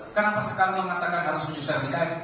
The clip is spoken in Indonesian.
kenapa sekarang mengatakan harus menyesuaikan ikm